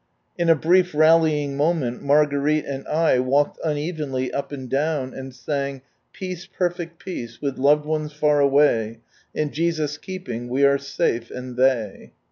In a brief rallying moment Mar garete and I walked unevenly up and down, and sang —■" Peace, perfect peace, aith loved ones far away ? In Jesus' keeping vve are safe, and they."